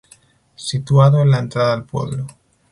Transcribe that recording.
Situado en la entrada al pueblo.